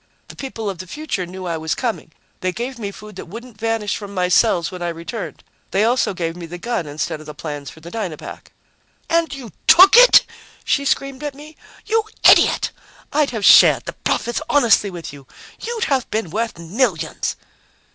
"The people of the future knew I was coming. They gave me food that wouldn't vanish from my cells when I returned. They also gave me the gun instead of the plans for the Dynapack." "And you took it?" she screamed at me. "You idiot! I'd have shared the profits honestly with you. You'd have been worth millions!"